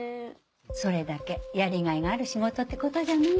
それだけやりがいがある仕事ってことじゃない？